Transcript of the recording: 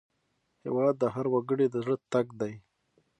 هېواد د هر وګړي د زړه ټک دی.